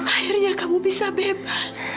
akhirnya kamu bisa bebas